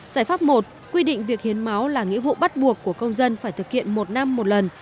giải pháp một quy định việc hiến máu là nghĩa vụ bắt buộc của công dân phải thực hiện một năm một lần